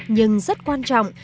nhưng rất quan trọng